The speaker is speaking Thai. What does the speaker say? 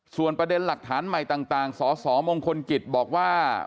ส่วนประเด็นหลักฐานใหม่ต่างสสมงคลกิจบอกว่า